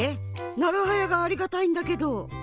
なるはやがありがたいんだけど。